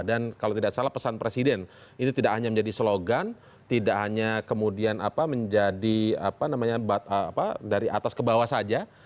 dan kalau tidak salah pesan presiden itu tidak hanya menjadi slogan tidak hanya kemudian apa menjadi apa namanya apa dari atas ke bawah saja